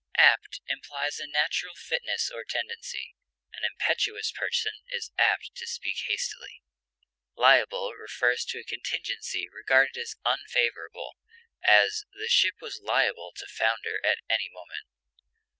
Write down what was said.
Apt implies a natural fitness or tendency; an impetuous person is apt to speak hastily. Liable refers to a contingency regarded as unfavorable; as, the ship was liable to founder at any moment.